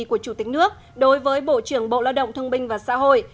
của chủ tịch nước đối với bộ trưởng bộ lao động thương binh và xã hội